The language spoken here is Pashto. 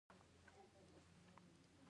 په شمال کې ځنګلونه شنه دي.